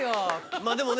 まあでもね